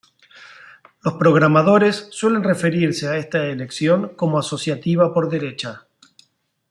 Los programadores suelen referirse a esta elección como asociativa por derecha.